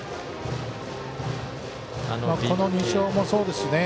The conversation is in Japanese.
この２勝もそうですね。